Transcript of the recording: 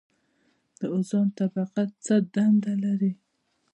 د اوزون طبقه څه دنده لري؟